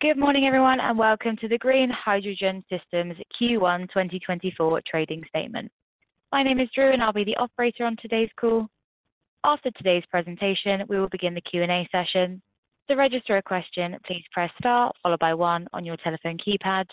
Good morning, everyone, and welcome to the Green Hydrogen Systems Q1 2024 trading statement. My name is Drew, and I'll be the operator on today's call. After today's presentation, we will begin the Q&A session. To register a question, please press Star, followed by 1 on your telephone keypad.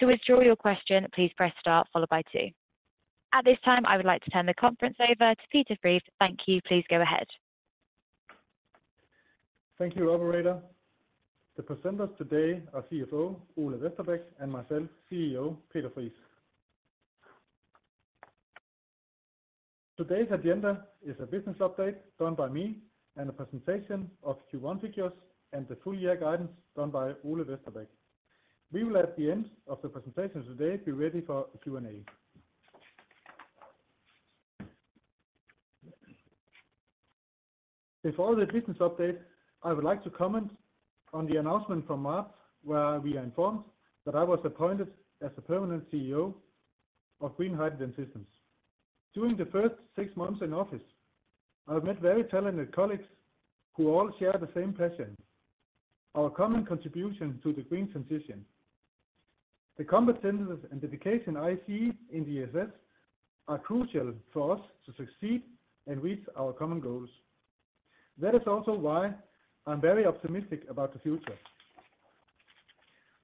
To withdraw your question, please press Star followed by 2. At this time, I would like to turn the conference over to Peter Friis. Thank you. Please go ahead. Thank you, operator. The presenters today are CFO Ole Vesterbæk and myself, CEO Peter Friis. Today's agenda is a business update done by me, and a presentation of Q1 figures, and the full year guidance done by Ole Vesterbæk. We will, at the end of the presentation today, be ready for a Q&A. Before the business update, I would like to comment on the announcement from March, where we are informed that I was appointed as a permanent CEO of Green Hydrogen Systems. During the first six months in office, I have met very talented colleagues who all share the same passion, our common contribution to the green transition. The commitment and dedication I see in the GHS are crucial for us to succeed and reach our common goals. That is also why I'm very optimistic about the future.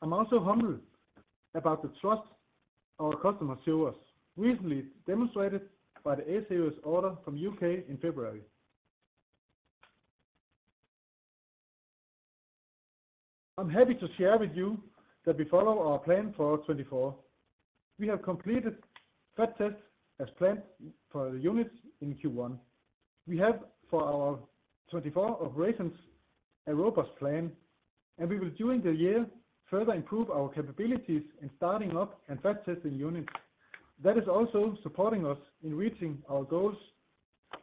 I'm also humbled about the trust our customers show us, recently demonstrated by the A-Series order from UK in February. I'm happy to share with you that we follow our plan for 2024. We have completed FAT tests as planned for the units in Q1. We have, for our 2024 operations, a robust plan, and we will, during the year, further improve our capabilities in starting up and FAT testing units. That is also supporting us in reaching our goals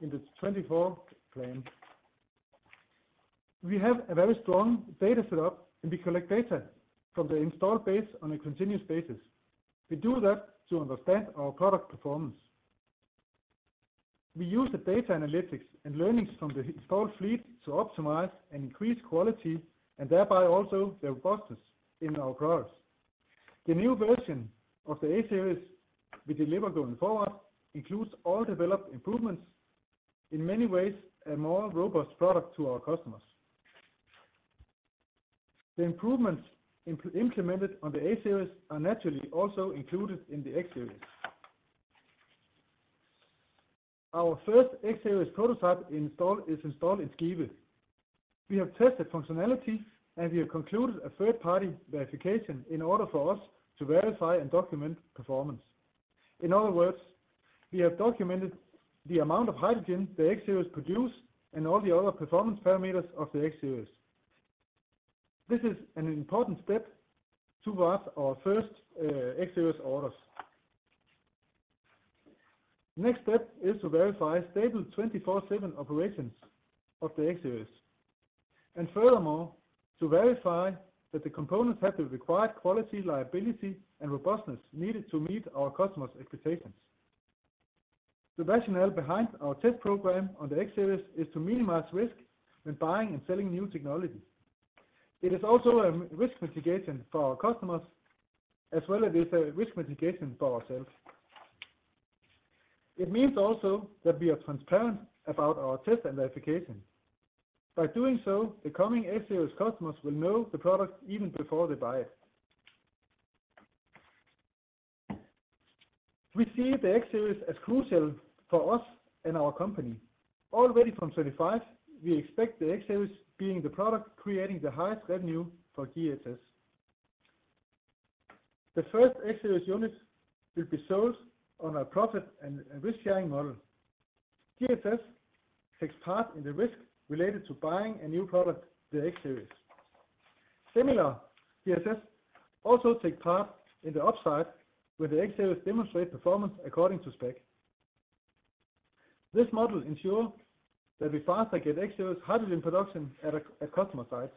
in the 2024 plan. We have a very strong data set up, and we collect data from the installed base on a continuous basis. We do that to understand our product performance. We use the data analytics and learnings from the installed fleet to optimize and increase quality, and thereby also the robustness in our products. The new version of the A-Series we deliver going forward includes all developed improvements, in many ways, a more robust product to our customers. The improvements implemented on the A-Series are naturally also included in the X-Series. Our first X-Series prototype install is installed in Skive. We have tested functionality, and we have concluded a third-party verification in order for us to verify and document performance. In other words, we have documented the amount of hydrogen the X-Series produce and all the other performance parameters of the X-Series. This is an important step towards our first X-Series orders. Next step is to verify stable 24/7 operations of the X-Series, and furthermore, to verify that the components have the required quality, reliability, and robustness needed to meet our customers' expectations. The rationale behind our test program on the X-Series is to minimize risk when buying and selling new technologies. It is also a risk mitigation for our customers, as well as it is a risk mitigation for ourselves. It means also that we are transparent about our test and verification. By doing so, the coming X-Series customers will know the product even before they buy it. We see the X-Series as crucial for us and our company. Already from 2025, we expect the X-Series being the product, creating the highest revenue for GHS. The first X-Series units will be sold on a profit and risk-sharing model. GHS takes part in the risk related to buying a new product, the X-Series. Similar, GHS also take part in the upside, with the X-Series demonstrate performance according to spec. This model ensures that we faster get X-Series hydrogen production at customer sites.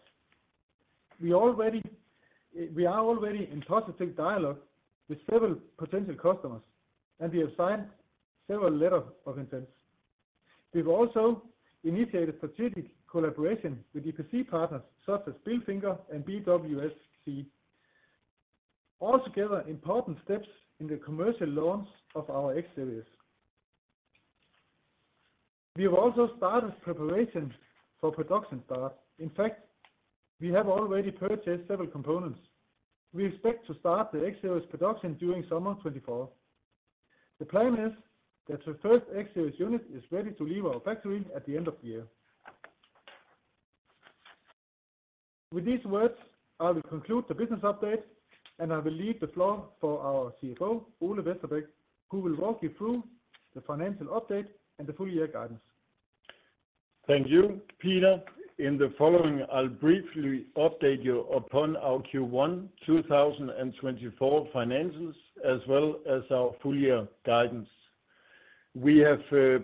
We are already in positive dialogue with several potential customers, and we have signed several letters of intent. We've also initiated strategic collaboration with EPC partners such as Bilfinger and BWSC. All together, important steps in the commercial launch of our X-series. We have also started preparation for production start. In fact, we have already purchased several components. We expect to start the X-series production during summer 2024. The plan is that the first X-series unit is ready to leave our factory at the end of the year. With these words, I will conclude the business update, and I will leave the floor for our CFO, Ole Vesterbæk, who will walk you through the financial update and the full year guidance. Thank you, Peter. In the following, I'll briefly update you upon our Q1 2024 finances, as well as our full year guidance. We have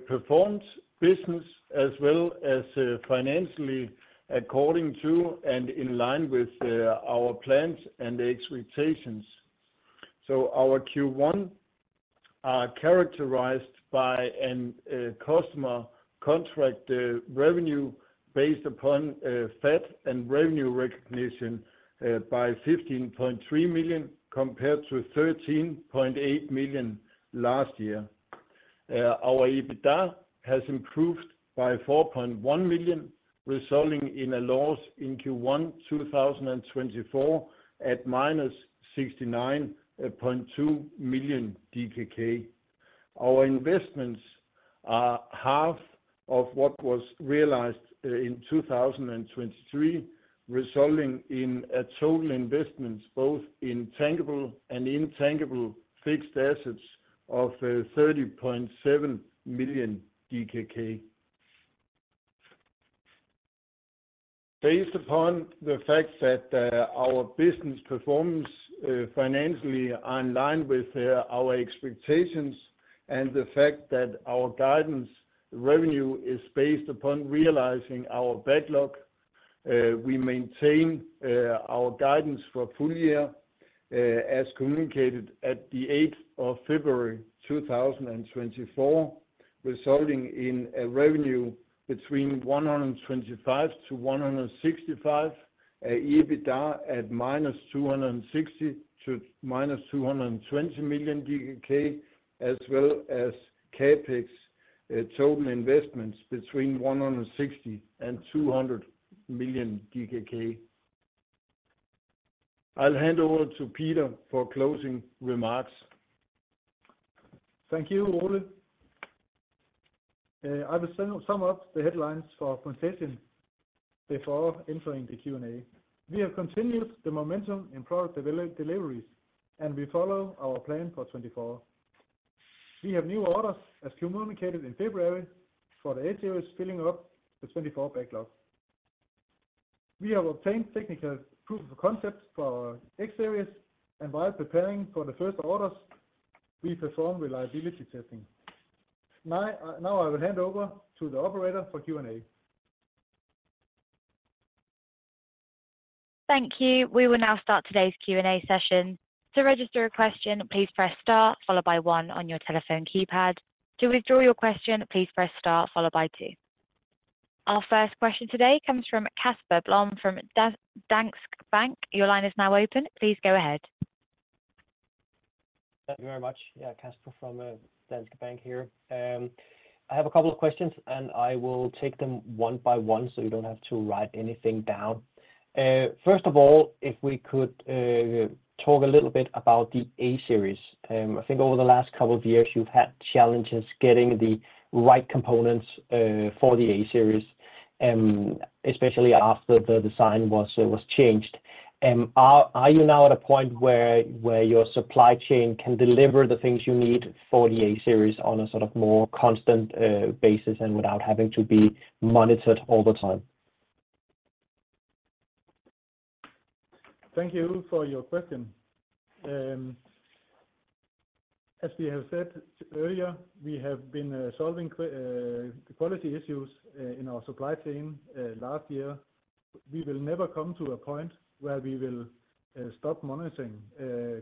performed business as well as financially, according to and in line with our plans and the expectations. So our Q1 are characterized by a customer contract revenue based upon FAT and revenue recognition by 15.3 million, compared to 13.8 million last year. Our EBITDA has improved by 4.1 million, resulting in a loss in Q1 2024 at -69.2 million DKK. Our investments are half of what was realized in 2023, resulting in total investments, both in tangible and intangible fixed assets of 30.7 million DKK. Based upon the fact that our business performs financially in line with our expectations, and the fact that our guidance revenue is based upon realizing our backlog, we maintain our guidance for full year as communicated at the 8th of February 2024, resulting in a revenue between 125 million to 165 million, EBITDA at -260 million to -220 million DKK, as well as CapEx total investments between 160 million and 200 million DKK. I'll hand over to Peter for closing remarks. Thank you, Ole. I will sum up the headlines for the conclusion before entering the Q&A. We have continued the momentum in product deliveries, and we follow our plan for 2024. We have new orders, as communicated in February, for the A-Series, filling up the 2024 backlog. We have obtained technical proof of concepts for our X-Series, and while preparing for the first orders, we perform reliability testing. I will hand over to the operator for Q&A. Thank you. We will now start today's Q&A session. To register a question, please press Star followed by One on your telephone keypad. To withdraw your question, please press Star followed by Two. Our first question today comes from Casper Blom, from Danske Bank. Your line is now open. Please go ahead. Thank you very much. Yeah, Kasper from, Danske Bank here. I have a couple of questions, and I will take them one by one, so you don't have to write anything down. First of all, if we could, talk a little bit about the A-Series. I think over the last couple of years, you've had challenges getting the right components, for the A-Series, especially after the design was changed. Are you now at a point where your supply chain can deliver the things you need for the A-Series on a sort of more constant basis and without having to be monitored all the time? Thank you for your question. As we have said earlier, we have been solving quality issues in our supply chain last year. We will never come to a point where we will stop monitoring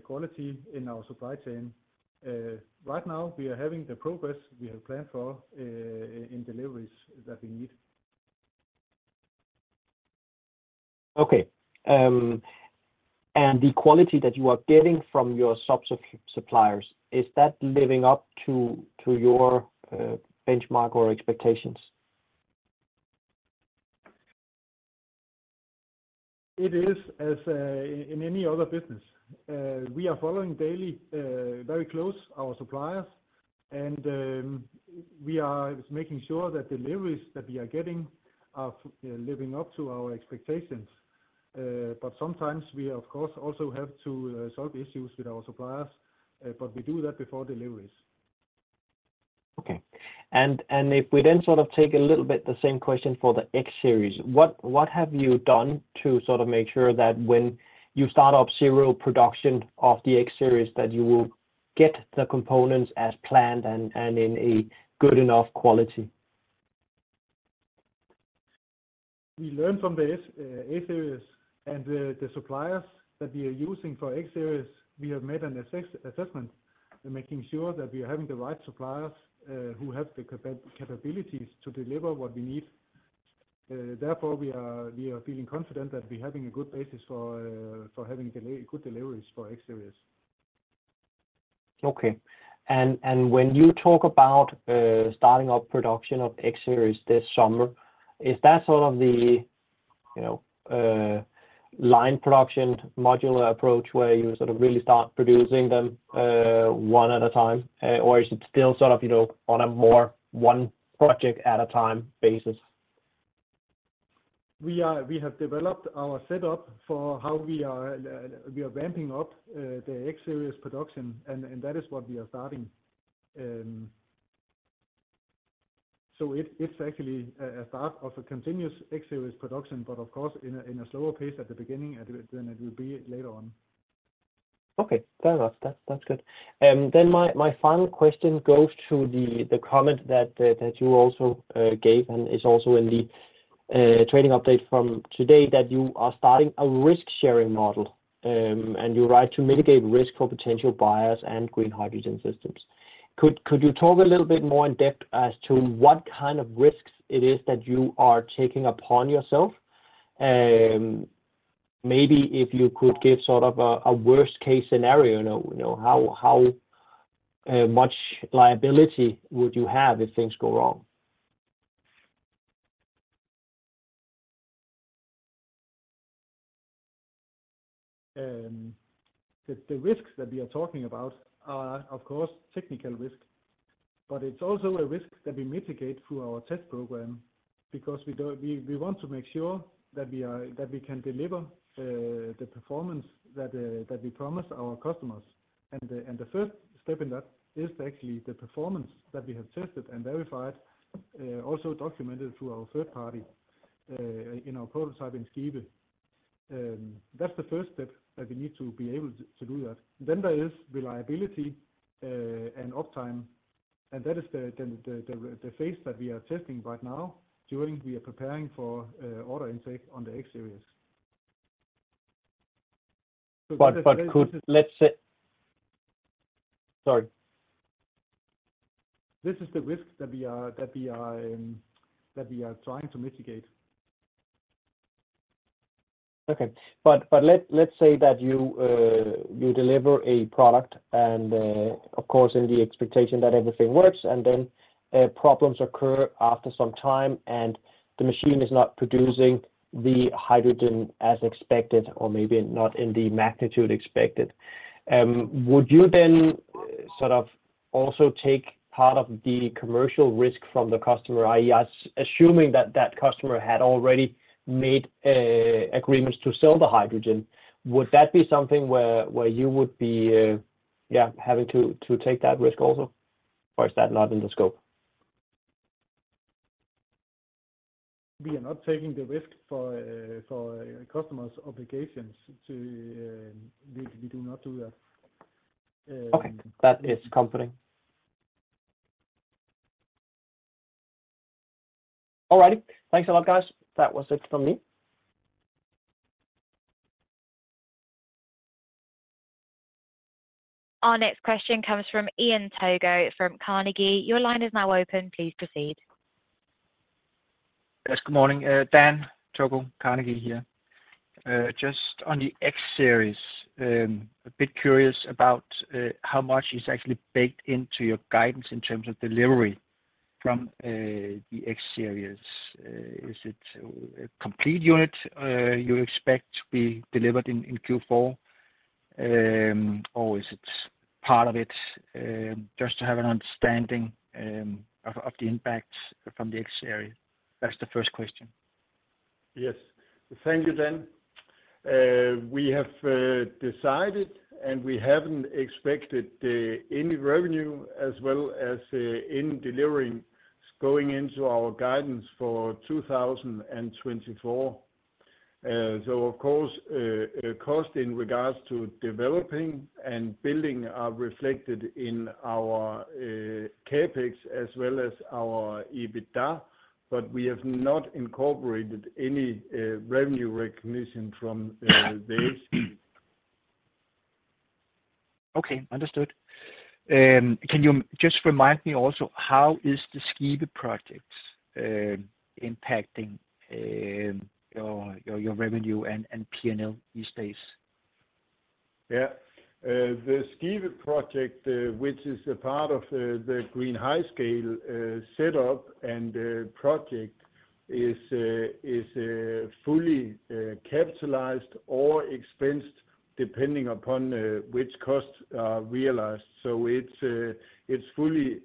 quality in our supply chain. Right now, we are having the progress we have planned for in deliveries that we need. Okay. And the quality that you are getting from your subs of suppliers, is that living up to your benchmark or expectations? It is, as in any other business, we are following daily very close our suppliers, and we are making sure that deliveries that we are getting are living up to our expectations. But sometimes we, of course, also have to solve issues with our suppliers, but we do that before deliveries. Okay. And if we then sort of take a little bit the same question for the X-Series, what have you done to sort of make sure that when you start up serial production of the X-Series, that you will get the components as planned and in a good enough quality? We learn from the A-Series and the suppliers that we are using for X-Series, we have made an assessment in making sure that we are having the right suppliers who have the capabilities to deliver what we need. Therefore, we are feeling confident that we're having a good basis for having good deliveries for X-Series. Okay. And when you talk about starting up production of X-Series this summer, is that sort of the, you know, line production modular approach, where you sort of really start producing them one at a time? Or is it still sort of, you know, on a more one project at a time basis? We have developed our setup for how we are, we are ramping up, the X-Series production, and, and that is what we are starting. So it, it's actually a, a start of a continuous X-Series production, but of course, in a, in a slower pace at the beginning, and then it will be later on. Okay. Fair enough. That's, that's good. Then my final question goes to the comment that you also gave, and is also in the trading update from today that you are starting a risk-sharing model, and you write to mitigate risk for potential buyers and Green Hydrogen Systems. Could you talk a little bit more in depth as to what kind of risks it is that you are taking upon yourself? Maybe if you could give sort of a worst case scenario, you know, how much liability would you have if things go wrong? The risks that we are talking about are, of course, technical risks, but it's also a risk that we mitigate through our test program because we want to make sure that we are, that we can deliver the performance that we promise our customers. The first step in that is actually the performance that we have tested and verified, also documented through our third party, in our prototype in Skive. That's the first step, that we need to be able to do that. Then there is reliability and uptime, and that is the phase that we are testing right now during we are preparing for order intake on the X-Series. Let's say... Sorry. This is the risks that we are trying to mitigate. Okay. But let's say that you deliver a product and, of course, in the expectation that everything works, and then problems occur after some time, and the machine is not producing the hydrogen as expected or maybe not in the magnitude expected. Would you then sort of also take part of the commercial risk from the customer, i.e., assuming that that customer had already made agreements to sell the hydrogen? Would that be something where you would be, yeah, having to take that risk also, or is that not in the scope? We are not taking the risk for a customer's obligations to... We do not do that. Okay, that is comforting. All right. Thanks a lot, guys. That was it from me. Our next question comes from Dan Togo from Carnegie. Your line is now open. Please proceed. Yes, good morning, Dan Togo, Carnegie here. Just on the X-series, a bit curious about how much is actually baked into your guidance in terms of delivery from the X-series. Is it a complete unit you expect to be delivered in Q4, or is it part of it? Just to have an understanding of the impacts from the X-series. That's the first question. Yes. Thank you, Dan. We have decided, and we haven't expected any revenue as well as any deliveries going into our guidance for 2024. So of course, cost in regards to developing and building are reflected in our CapEx as well as our EBITDA, but we have not incorporated any revenue recognition from the X-Series. Okay. Understood. Can you just remind me also, how is the Skive project impacting your revenue and P&L these days? Yeah. The Skive project, which is a part of the GreenLab Skive setup and project, is fully capitalized or expensed, depending upon which costs are realized. So it's fully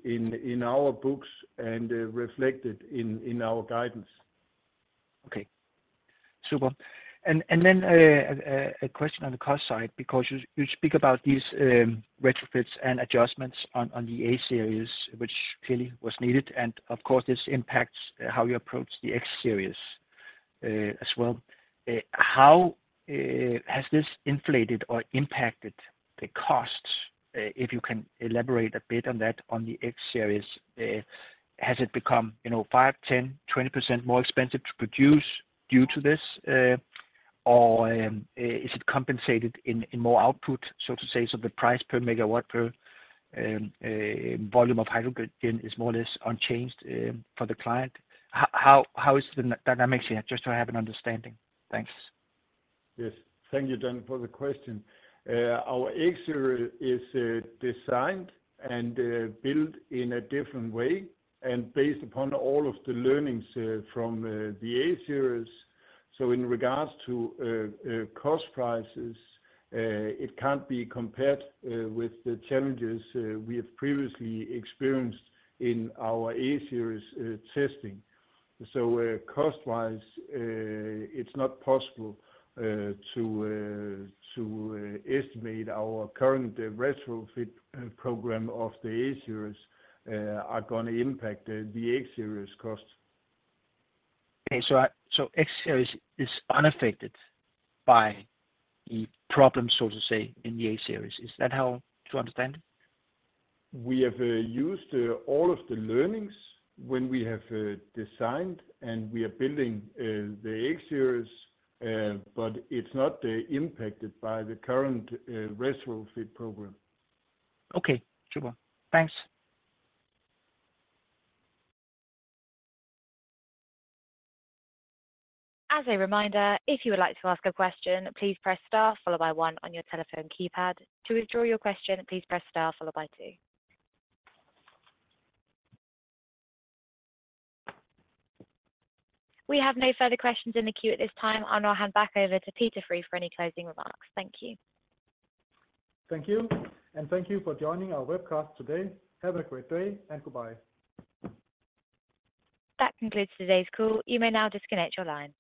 in our books and reflected in our guidance. Okay. Super. And then a question on the cost side, because you speak about these retrofits and adjustments on the A-series, which clearly was needed, and of course, this impacts how you approach the X-series as well. How has this inflated or impacted the costs? If you can elaborate a bit on that, on the X-series. Has it become, you know, 5, 10, 20% more expensive to produce due to this, or is it compensated in more output, so to say, so the price per megawatt per volume of hydrogen is more or less unchanged for the client? How is the dynamics here? Just to have an understanding. Thanks. Yes. Thank you, Dan, for the question. Our X-Series is designed and built in a different way and based upon all of the learnings from the A-Series. So in regards to cost prices, it can't be compared with the challenges we have previously experienced in our A-Series testing. So, cost-wise, it's not possible to estimate our current retrofit program of the A-Series are gonna impact the X-Series cost. Okay. So X-Series is unaffected by the problem, so to say, in the A-Series, is that how to understand? We have used all of the learnings when we have designed, and we are building the X-Series, but it's not impacted by the current retrofit program. Okay. Super. Thanks. As a reminder, if you would like to ask a question, please press star followed by one on your telephone keypad. To withdraw your question, please press star followed by two. We have no further questions in the queue at this time. I'll now hand back over to Peter Friis for any closing remarks. Thank you. Thank you, and thank you for joining our webcast today. Have a great day, and goodbye. That concludes today's call. You may now disconnect your line.